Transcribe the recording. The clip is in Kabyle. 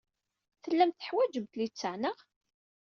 Tellamt teḥwajemt littseɛ, naɣ?